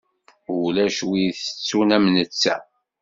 Ulac wi itettun am netta.